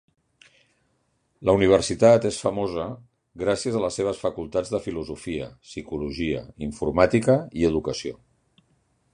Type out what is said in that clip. La universitat és famosa gràcies a les seves facultats de filosofia, psicologia, informàtica i educació.